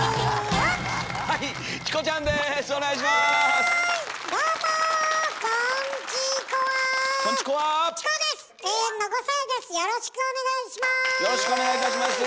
よろしくお願いいたします！ます！